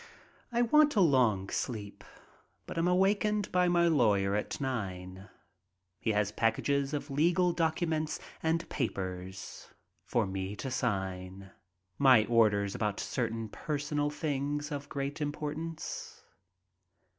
I want a long sleep, but am awakened by my lawyer at nine. He has packages of legal documents and papers for me to sign, my orders about certain personal things of great importance.